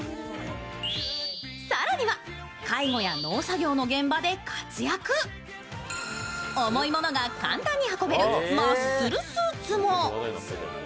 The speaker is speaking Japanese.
更には、介護や農作業の現場で活躍重いものが簡単に運べるマッスルスーツも。